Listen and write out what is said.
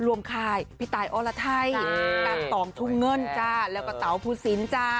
รวมค่ายพี่ตายโอลาไทต่องทุ่งเงินแล้วก็เต๋าภูสิน